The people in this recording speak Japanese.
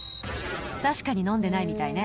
確かに飲んでないみたいね。